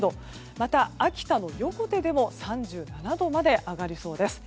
また秋田の横手でも３７度まで上がりそうです。